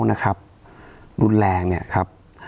นะครับรุนแรงเนี่ยครับ